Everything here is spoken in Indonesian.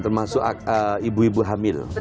termasuk ibu ibu hamil